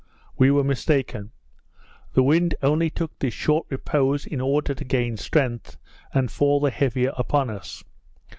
We were mistaken; the wind only took this short repose, in order to gain strength, and fall the heavier upon us.